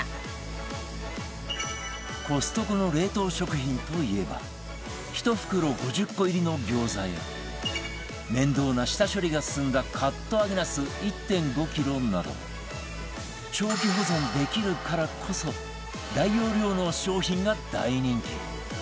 コストコの冷凍食品といえば１袋５０個入りの餃子や面倒な下処理が済んだカット揚げなす １．５ キロなど長期保存できるからこそ大容量の商品が大人気